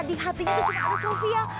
di hatinya tuh cuma ada sofia